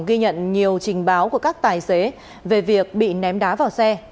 ghi nhận nhiều trình báo của các tài xế về việc bị ném đá vào xe